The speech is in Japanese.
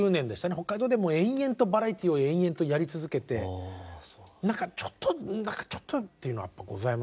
北海道で延々とバラエティーを延々とやり続けて何かちょっと何かちょっとというのはございましたね。